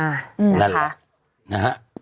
อ่านะคะนั่นแหละนะฮะอืม